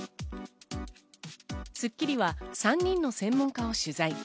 『スッキリ』は３人の専門家を取材。